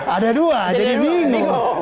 ada dua jadi bingung